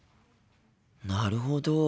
なるほど。